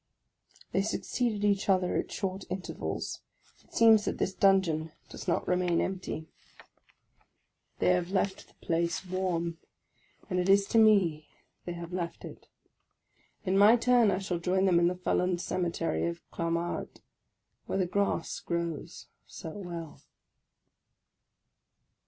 They succeeded each other at short intervals; it seems that this dungeon does not remain empty. 54 THE LAST DAY They have left the place warm, — and it is to me they have left it. In my turn I shall join them in the felons' cemetery of Clamart, where the grass grows so well